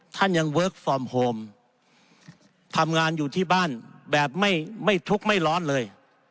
ท่านยังเวิร์คฟอร์มโฮมทำงานอยู่ที่บ้านแบบไม่ทุกข์ไม่ร้อนเลย